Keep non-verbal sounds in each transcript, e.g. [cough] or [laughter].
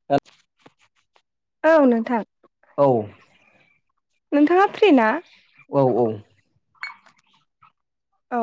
[unintelligible] औ नोंथां। औ। नोंथाङा फ्रिना? औ औ। औ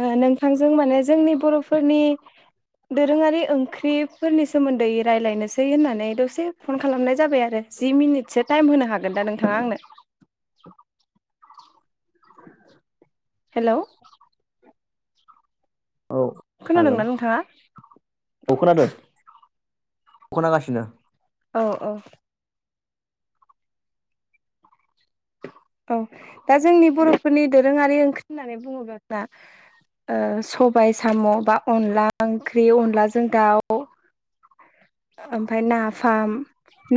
ओ नोंथांजों माने जोंनि बर'फोरनि दोरोङारि ओंख्रिफोरनि सोमोन्दै राय्लायनोसै होननानै दसे फन खालामनाय जाबाय आरो। जि मिनिटसो टाइम होनो हागोन दा नोंथाङा आंनो? [unintelligible] हेल' खोनादोंना नोंथाङा? अ खोनादो खोनागासिनो। औ औ। औ दा जोंनि बर'फोरनि दोरोङारि ओंख्रि होननानै बुङोब्लाना ओ सबाय साम' बा अनला ओंख्रि अनलाजों दाउ ओमफाय नाफाम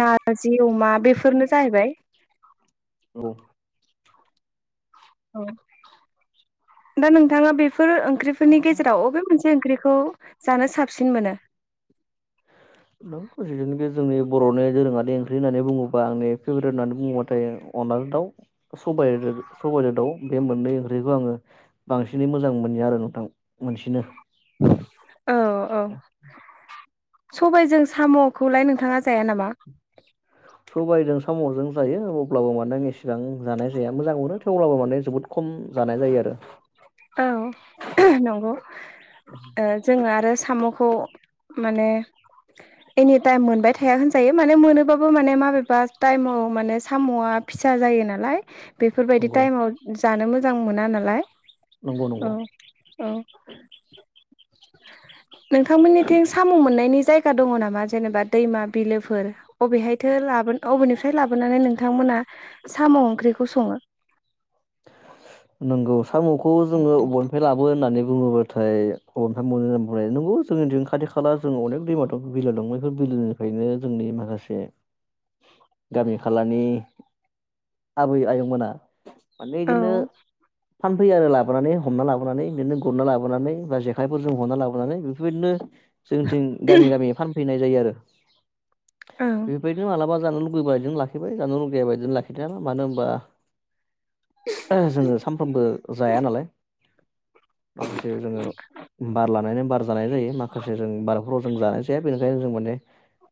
नारजि अमा बेफोरनो जाहैबाय। औ। दा नोंथाङा बेफोर ओंख्रि [unintelligible] गेजेराव अबे मोनसे ओंख्रिखौ जानो साबसिन मोनो? जोंनि बर'नि दोरोङारि ओंख्रि होननानै बुङोबा आंनि फेभरेट होन्नानै बुङोबाथाय अनलाजों दाउ सबाइ सबाइजों दाउ बे मोननै ओंख्रिखौ आङो बांसिनै मोजां मोनो आरो नोंथां मोनसेनो औ औ। सबायजों साम'खौलाय नोंथाङा जाया नामा? सबायजों साम'जों जायो अब्लाबो मानोे इसेबां जानाय जाया मोजां मोनो थेवब्लाबो माने जोबोद खम जानाय जायो आरो। औ नंगौ ओ जोङो आरो साम'खौ माने एनि टाइम मोनबाय थाया होनजायो माने मोनोबाबो माने माबेबा टाइमाव माने साम'आ फिसा जायो नालाय बेफोरबायदि नंगौ टाइमाव जानो मोजां मोना नालाय नंगौ नंगौ औ औ। नोंथांमोननिथिं साम' मोननायनि जायगा दङ' नामा जेनेबा दैमा बिलोफोर? अबेहायथो लाबोन अबेनिफ्राय लाबोनानै नोंथांमोना साम' ओंख्रिखौ सङो? [inaudible] नोंगौ साम'खौ जोङो बबेनिफ्राय लाबो होननानै बुङोब्लाथाय अबेनिफ्राय मोननो होन नोंगौ जोंनिथिं खाथि खाला जों अनेक दैमाथ' बिलो दं बेफोर बिलोनिफ्रायनो जोंनि माखासे [inaudible] गामि खालानि आबै आयंमोना माने इदिनो ओं फानफैयो आरो लाबोनानै हमना लाबोनानै बिदिनो गुरना लाबोनानै बा जेखाइफोरजों हमना लाबोनानै बेफोरबायदिनो जोंथिं गामि गामि फानफैनाय जायो आरो। ओं बेफोरबायदिनो मालाबा जानो लुगैबायदिनो लाखिबाय जानो लुगैया बायदिनो लाखिदों ना मानो होनबा [unintelligible] जोङो सानफ्रोमबो जाया नालाय माखासे जोङो बार लानायनो बार जानाय जायो माखासे जों बारफोराव जों जानाय जाया बेनिखायनो जों माने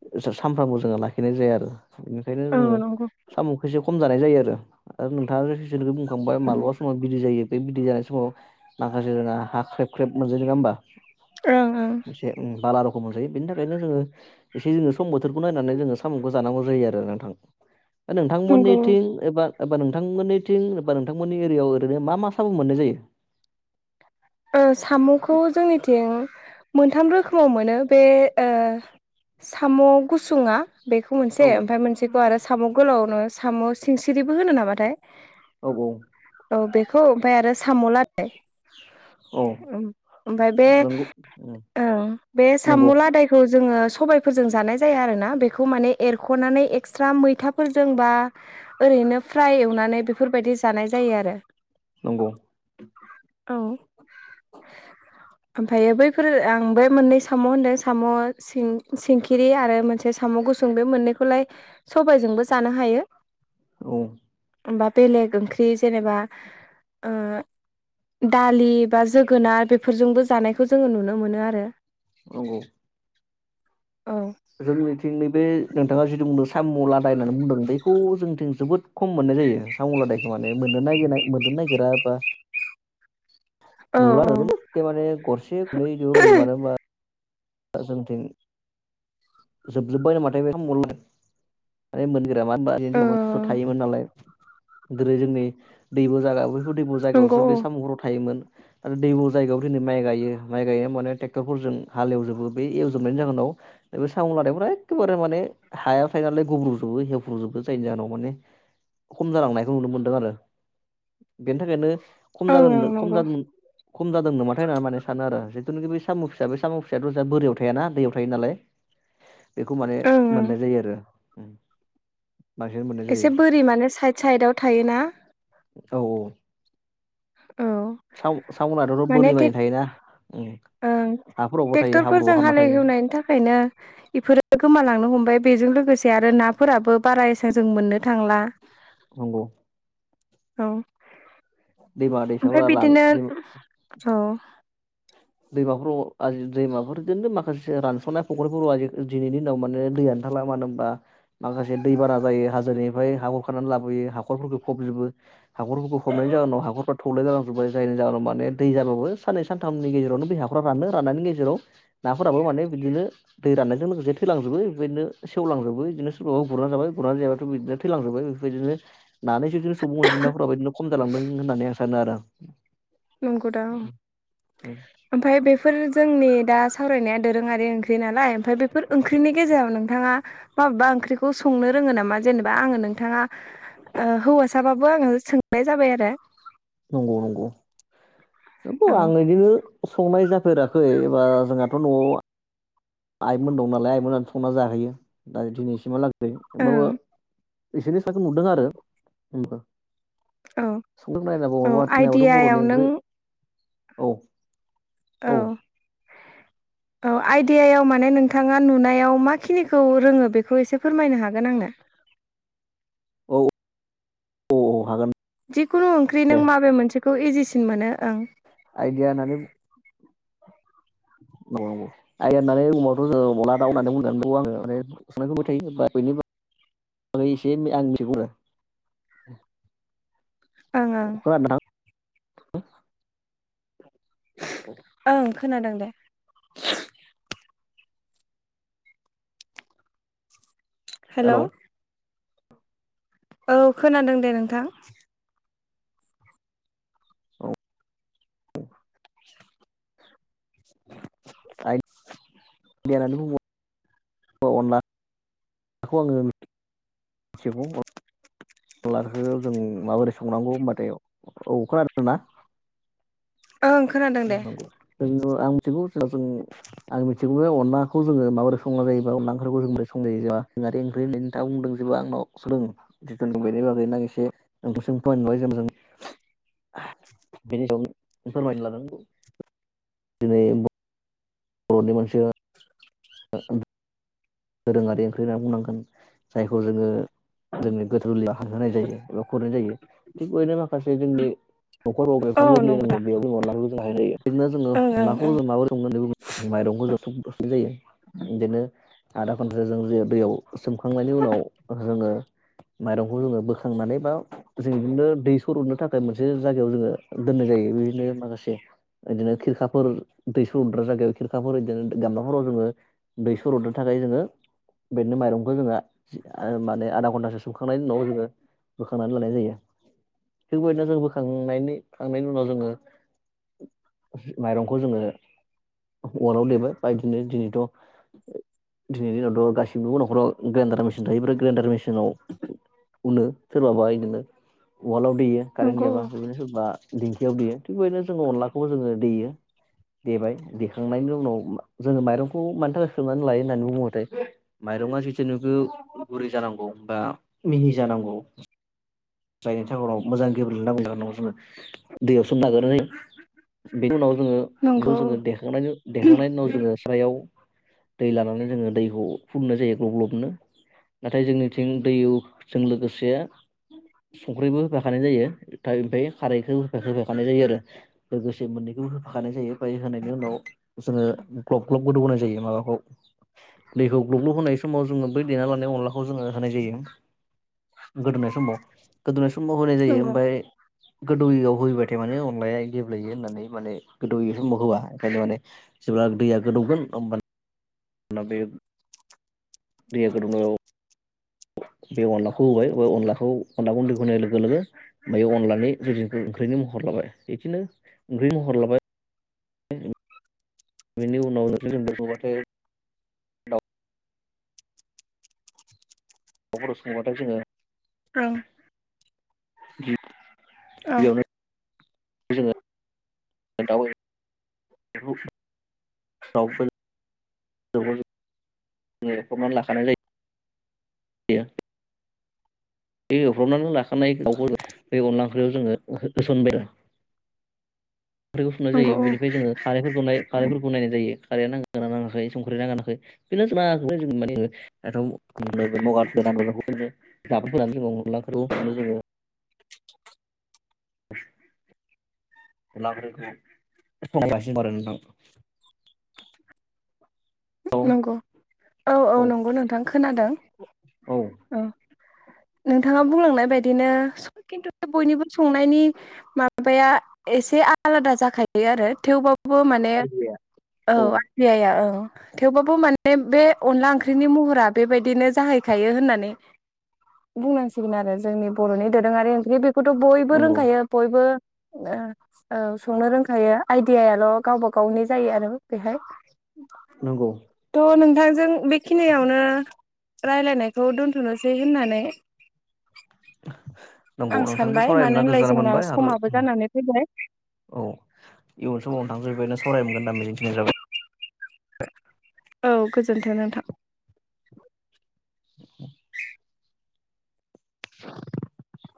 [unintelligible] सानफ्रामबो जोङो लाखिनाय जाया आरो। बेनिखायनो जोङो ओं साम'खौ एसे खम जानाय जायो आरो आरो नोंथाङा जखौ बुंखांबा माब्लाबा समाव बिदै जायो बे बिदै जानाय समाव माखासे जोंना हा ख्रेब ख्रेब मोनजायो नङा होमबा? ओं ओं। ए उम बाला रखम मोनजायो बेनि थाखायनो जोङो एसे जोङो सम बोथोरखौ नायनानै जोङो साम'खौ जानांगौ जायो आरो नोंथां। नोंथांमोननि थिं एबा एबा नोंथांमोननि सिं एबा नोंथांमोननि एरियायाव ओरैनो मा मा साबु मोननाय जायो? साम'खौ जोंनिथिं मोनथाम रोखोमाव मोनो बे ओ साम' गुसुङा बेखौ औ मोनसे ओमफफ्राय आरो साम' गोलावनो साम' सिंसिरिबो होनो नामाथाय औ औ। औ बेखौ ओमफफ्राय आरो साम' [unintelligible] औ [unintelligible] ओमफाय बे नंगौ ओं बे नंगौ सामुलादाय थ जोङो सबायफोरजों जानाय जाया आरोना बेखौ माने एरख'नानै एक्सट्रा मैथाफोरजों बा ओरैनो फ्राय एवनानै बेफोरबायदि जानाय जायो आरो नंगौ औ ओमफ्रायो बैफोर आं बे मोननै साम' होन्दों साम' सिं सिंखिरि आरो मोनसे साम' गुसुं बे मोननैखौलाय सबायजोंबो जानो हायो औ बा बेलेग ओंख्रि जेनेबा ओ दालि बा जोगोनार बेफोरजोंबो जानायखौ जोङो नुनो मोनो आरो नंगौ औ जोंनिथिं नैबे नोंथाङा जिथु बुंदों सामम' लादाय होननानै बुंदों बेखौ जोंनिथिं जोबोद खम मोननाय जायो साम'लादायखौ माने मोननो नागिरनाय मोननो नागिरा बा औ नुला औ आरोना एखे माने गरसे गनै नुयो मानो होनबा द जोंथिं जोबजोब्बाय नामाथाय बे साम' लादाय माने मोनगोरा मानो औ होनबा थ' थायोमोन नालाय जेरै जोंनि दैबु जाया बैफोर दैबु नंगौ जायगायावसो औ बे साम'हराव थायोमोन आरो दैबु जायगायाव दिनै माइ गायो माइ गाय माने ट्रेक्टरफोरजों हाल एवजोबो बे एवजोबनायनि जाहोनाव दा बे साम' लानायफ्रा एखेबारे माने हाया थायो नालाय गब्रुजोबो हेब्रुजोबो जायनि जाहोनाव माने खम जालांनायखौ नुनो मोनदों आरो बेनि थाखायनो खम ओं ओं जादों खम नंगौ जादों खम जादोंनोनामाथाय होननानै माने सानो आरो जिथुनाखि बे साम' फिसा बे साम' फिसाया थ सा बोरियाव थायाना दैयाव थायो नालाय बेखौ माने ओं ओं मोननाय जायो आरो बांसिन मोननाय एसे जायो बोरि मानो साइड साइडआव थायोना औ औ औ साम सामनाथ' माने बोरि बाय टेक थायोना उम ओं हाफोरावबो थायो हाब्रुआव ट्रेक्टरफोरजों हाबना थायो हालेवहोनायनि थाखायनो बेफोरो गोमालांनो हमबाय बेजों लोगोसे आरो नाफोराबो बारा एसां जों मोननो थांला नंगौ औ दैमा ओमफ्राय दैसाफोरा रान बिदिनो दैमा औ दैमाफोराव आजि दैमाफोरनो माखासे रानस'नाय फख्रिफोराव जि दिनैनि दिनाव माने दैया ओंखारला मानो होनबा माखासे दै बाना जायो हाजोनिफ्राय हा हुरखनानै लाबोयो हाखर हाखरफोरखौ फबजोबो हाखरफोरखौ फबनायनि जाहोनाव हाखरफोरा थौले जालांजोबबाय जायनि जाहोनाव माने दै जाब्लाबो साननै सानथामनि गेजेरावनो बे हाफोरा रानो राननायनि गेजेराव नाफोराबो माने बिदिनो दै राननायजों लोगोसे थैलांजोबो बेबायदिनो सेवलांजोबो बिदिनो सोरबा गुरनानै जाबाय गुरनानै जायाबाथ' बिदिनो थैलांजोबबाय बेफोरबायदिनो नानैसो बिदिनो सुबुं अनजिमाफोराब बिदिनो खम जालांदों होननानै आं सानो आरो आं नंगौ दा औ उम ओमफ्राय बेफोर जोंनि दा सावरायनाया दोरोङारि ओं ख्रि नालाय ओमफ्राय बेफोर ओंख्रिनि गेजेराव नोंथाङा माबेबा ओंख्रिखौ संनो रोङो नामा जेनेबा आङो नोंथाङा ओ हौवासाबाबो आङो सोंनाय जाबाय आरो नंगौ नंगौ औ हौवा आं नैजो संनाय जाफेराखै एबा जोंहाथ' न'आव आइमोन दं नालाय आइमोनानो संना जाहैयो दा दिनैसिमहालागै दे होमबाबो ओं बिसिनि संनायखौ नुदों आरो औ नायनांगौ औ अआत नायाबोथ' आइडियायाव बर'नि नों ओंख्रि औ औ औ आइदियायाव माने नोंथाङा नुनायाव मा खिनिखौ रोङो बेखौ एसे फोरमायनो हागोन आंनो औ औ औ हागोन जिखुनु ओंख्रि नों दे माबे मोनसेखौ इजिसिन मोनो ओं आइदिया होननानै [inaudible] [unintelligible] [unintelligible] एसे आं मिथिगौ आरो ओं ओं खोनादों नोंथां ओं खोनादों दे हेलौ औ खोनादों दे नोंथां औ औ [inaudible] [unintelligible] [unintelligible] अनलाखौ जों माबोरै संनांगौ होमबाथाय औ खोनादों ना ओं खोनादों दे नोंगौ आं मिथिगौ जों आं मिथिगौ बे अनला खौ जोङो माबोरै संना जायोबा अनला ओंख्रिखौ [unintelligible] बुंदों जेबो आंनाव जिथु बेनि बागै नो एसे [unintelligible] बेनि सायाव फोरमायनो लादों दिनै बर'नि मोनसे [inaudible] दोरोङारि ओंख्रि होननानै बुंनांगोन जायखौ जोङो जोंनि गोथार जुलियाव हानहोनाय जायो एबा खुरनाय जायो थिग बेदिनो माखासे जोंनि नखरावबो औ ओंखाम गोरलै नंगौ दङ दा बेयाव जों अनलाखौ जों बानायनाय जायो बिदिनो जों ओं ओं अनलाखौ ओं जों माबोरै संगोन माइरंखौ जथ' जसे जायो बिदिनो आधा घन्टासो जों जे दैयाव सोमखांनायनि उनाव जोङो माइरंखौ जोङो बोखांनानै बा। जों बिदिनो दै सर'नो थाखाय मोनसे जायगायाव जोङो दोननाय जायो बिदिनो माखासे। बिदिनो खिरखाफोर दै सर उद्रा जागायाव खिरखाफोर बिदिनो गामलाफोराव जोङो दै सरदो। थाखाय जोङो बेदिनो माइरंखौ जोङो माने आधा घन्टासो सुखांनायनि उनाव जोङो। बोखांनानै लानाय जायो थिग बेबायदिनो जों बोखांनायनि खांनायनि उनाव जोङो। माइरंखौ जोङो अराव देबाय बा बिदिनो दिनैथ'। दिनैनि दिनावथ' गासिबो नखराव ग्राइन्डार मेसिन थायोब्ला ग्राइन्डार मेसिनाव। उनो सोरबाबा बिदिनो उवालाव देयो कारेन्ट नंगौ औ गैयाबा बिदिनो सोरबा। दिंखियाव देयो थिग बेबायदिनो जोङो अनलाखौबो जोङो देयो। देबाय देखांनायनि उनाव जोङो माइरंखौ मानि थाखाय सोमनानै लायो होननानै बुङोबाथाय। माइरङा जितुनोबो गुरै जानांगौ बा मिहि जानांगौ। जायनि थाखायाहनाव मोजां गेबलेनांगौनि जनाव जोङो दैयाव सोमना लाग्रोनाय जायो बेनि उनाव जोङो बेखौ नंगौ जोङो औ देखांनाय देखांनायनि उनाव जोङो। खारायाव दै लानानै जोङो दैखौ फुननाय जायो ग्लब ग्लबनो। नाथाय जोंनिथिं दैआवजों लोगोसे। संख्रिबो होफाखानाय जायो ओमफ्राय खारैखौ होफाखानाय जायो आरो। लोगोसे मोननैखौबो होफाखानाय जायो ओमफाय होनायनि उनाव। जोङो ग्लब ग्लब गोदौहोनाय जायो माबाखौ। दैखौ ग्लब ग्लब होनाय समाव जोङो बै देना लानाय अनलाखौ जोङो होनाय जायो। गोदोनाय समाव गोदोनाय समाव होनाय जायो नंगौ ओमफ्राय। गोदौयैआव होयोबायथाय माने अनलाया गेब्लेयो होननानै माने गोदौयै समाव होआ ओंखायनो माने। जेब्ला दैया गोदौगोन होमबा ना बे दैया गोदौनायाव। बे अनलाखौ होबाय बे अनलाखौ अनला गुन्दै होनाय लोगो लोगो। मायाव अनलानि जखौ ओंख्रिनि महर लाबाय बिदिनो ओंख्रि महर लाबाय। बेनि उनाव [unintelligible] अरफोराव संङोबाथाय जोंङो। ओं। [unintelligible] [unintelligible] [unintelligible] बे एवफ्रामनानै लाखानाय दाउखौ बे अनला ओंख्रियाव जोंङो होसनबाय आरो। खखैखौ सुुंनाय नंगौ जायो औ बेनिफ्राय जोङो खारैफोरखौ खारैफोरखौ नाय जायो खारै नांगोन [unintelligible] [unintelligible] [unintelligible] [unintelligible] [inaudible] औ नंगौ औ औ नंगौ नोंथां खोनादों औ। नोंथांङा बुंलांनाय बायदिनो खिन्थु बयनिबो संनायनि। माबाया एसे आलादा जाखायो आरो थेवबाबो। बेबो माने आइदिया औ आ आइया औ। थेवबाबो माने बे अनला ओंख्रिनि महरा बेबायदिनो जाहैखायो होननानै। बुंनांसिगोन आरो जोंनि बर'नि दोरोङारि ओंख्रि बेखौथ' बयबो नंगौ रोंखायो बयबो। औ संनो रोंखायो आइदियायाल' गावबा गावनि जायो आरो बेहाय। नंगौ। थ' नोंथांजों बेखिनियावनो राय्लायनायखौ दोन्थ'नोसै होननानै। नंगौ आं नोंथांजों सानबाय सावरायनो मानो मोनना होनलाय गोजोननाय जोंना मोनबाय आरो। समाबो जानानै फैबाय औ इयुन समावनो नोंथांजों सावराय मोनगोन दा मिजिं थिनाय जाबाय। औ गोजोन्थों नोंथां। [inaudible] [inaudible]